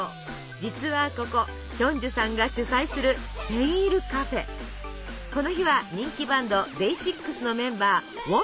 実はここヒョンジュさんが主催するこの日は人気バンドＤＡＹ６のメンバーウォンピルの誕生日。